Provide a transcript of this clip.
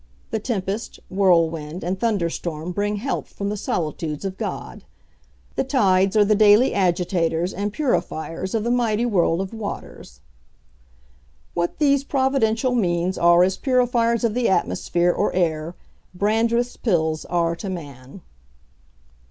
The Tempest, Whirlwind, and Thunder storm bring health from the Solitudes of God. The Tides are the daily agitators and purifiers of the Mighty World of Waters. "What these Providential means are as purifiers of the Atmosphere or Air, Brandreth's Pills are to man."